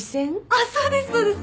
あっそうですそうです。